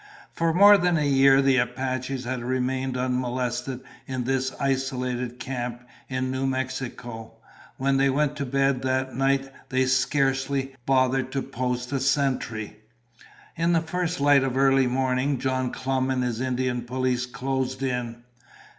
For more than a year the Apaches had remained unmolested in this isolated camp in New Mexico. When they went to bed that night, they scarcely bothered to post a sentry. In the first light of early morning John Clum and his Indian police closed in.